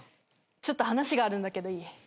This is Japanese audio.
ちょっと話があるんだけどいい？